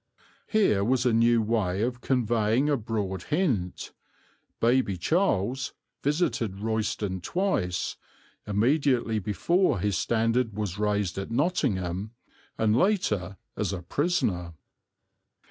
Here was a new way of conveying a broad hint. "Baby Charles" visited Royston twice, immediately before his standard was raised at Nottingham, and later as a prisoner.